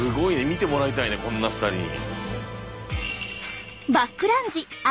見てもらいたいねこんな２人に。